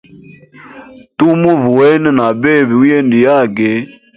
Tumuva wena na bebe uyende yage.